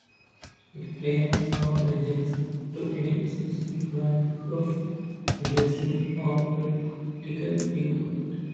It claims no allegiance to any specific branch of Judaism or political viewpoint.